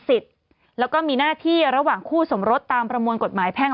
สิทธิ์แล้วก็มีหน้าที่ระหว่างคู่สมรสตามประมวลกฎหมายแพ่ง